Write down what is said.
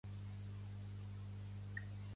Em sembla que aquí hi ha molts espanyolistes